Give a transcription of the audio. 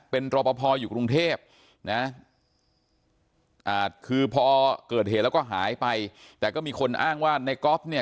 เป็นรอปภอยู่กรุงเทพนะอ่าคือพอเกิดเหตุแล้วก็หายไปแต่ก็มีคนอ้างว่าในก๊อฟเนี่ย